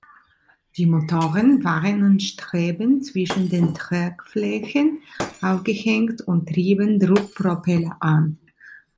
Die Motoren waren an Streben zwischen den Tragflächen aufgehängt und trieben Druckpropeller an.